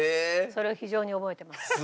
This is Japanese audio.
それを非常に覚えてます。